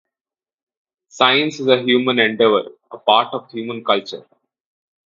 Science is a human endeavor, a part of human culture.